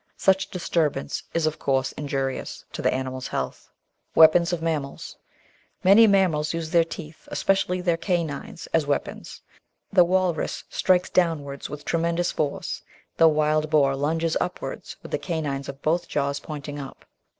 Such disturbance is of course injurious to the animal's health. § 10 Weapons of Mammals Many mammals use their teeth, especially their canines, as weapons. The Walrus strikes downwards with tremendous force, the Wild Boar lunges upwards with the canines of both jaws pointing up.